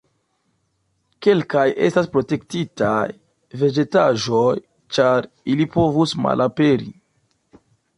Kelkaj estas protektitaj vegetaĵoj, ĉar ili povus malaperi.